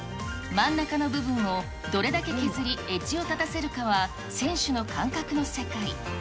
真ん中の部分をどれだけ削り、エッジを立たせるかは、選手の感覚の世界。